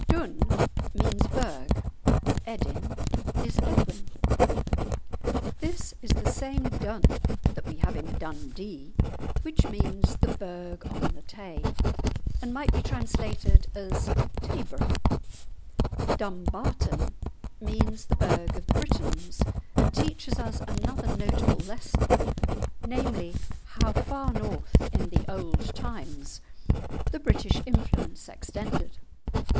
"Dun" means burgh, "Edin" is Edwin. This is the same Dun that we have in "Dundee," which means the burgh on the Tay, and might be translated as "Tayburgh." "Dumbarton" means the burgh of the Britons, and teaches us another notable lesson, namely, how far north in the old times the British influence extended.